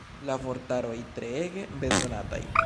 La vortaroj treege bezonataj.